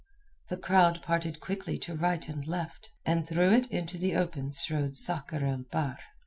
The crowd parted quickly to right and left, and through it into the open strode Sakr el Bahr.